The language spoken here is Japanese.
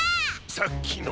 さっきのは。